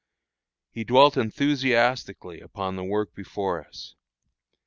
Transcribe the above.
He dwelt enthusiastically upon the work before us.